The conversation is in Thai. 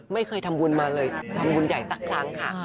ไม่เคยทำบุญมาเลยทำบุญใหญ่สักครั้งค่ะ